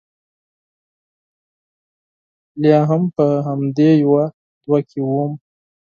لا هم په همدې يوه دوه کې ووم.